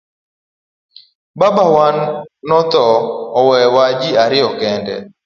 Babawa no tho owewa ji ariyo kende.